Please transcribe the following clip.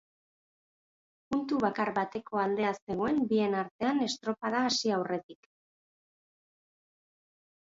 Puntu bakar bateko aldea zegoen bien artean estropada hasi aurretik.